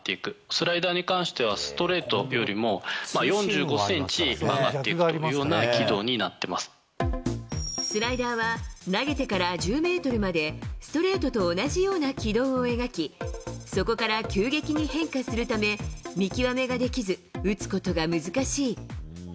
スライダーに関しては、ストレートよりも４５センチ曲がっていくスライダーは投げてから１０メートルまで、ストレートと同じような軌道を描き、そこから急激に変化するため、見極めができず、打つことが難しい。